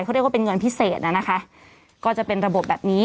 เขาเรียกว่าเป็นเงินพิเศษน่ะนะคะก็จะเป็นระบบแบบนี้